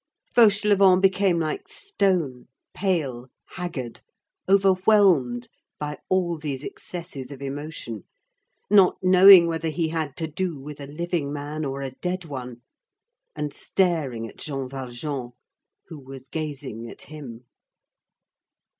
Fauchelevent became like stone, pale, haggard, overwhelmed by all these excesses of emotion, not knowing whether he had to do with a living man or a dead one, and staring at Jean Valjean, who was gazing at him.